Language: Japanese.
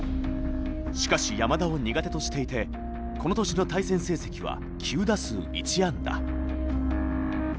しかし山田を苦手としていてこの年の対戦成績は９打数１安打。